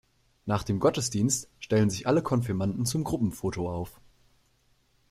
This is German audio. Nach dem Gottesdienst stellen sich alle Konfirmanden zum Gruppenfoto auf.